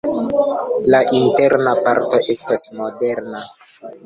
La interna parto estas moderna.